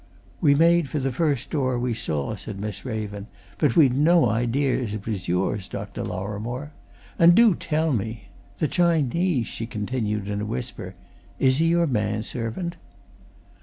"We made for the first door we saw," said Miss Raven. "But we'd no idea it was yours, Dr. Lorrimore. And do tell me! the Chinese," she continued, in a whisper. "Is he your man servant?"